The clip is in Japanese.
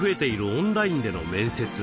オンラインでの面接。